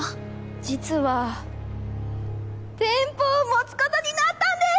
実は店舗を持つことになったんです！